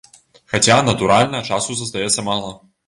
Хаця, натуральна, часу застаецца мала.